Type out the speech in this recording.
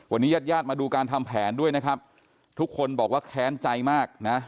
วันนี้ญาติญาติมาดูการทำแผนด้วยนะครับทุกคนบอกว่าแค้นใจมากนะ